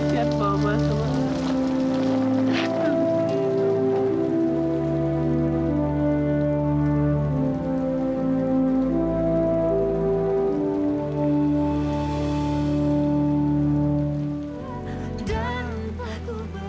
terima kasih mama